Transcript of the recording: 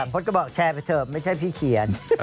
พดก็บอกแชร์ไปเถอะไม่ใช่พี่เขียน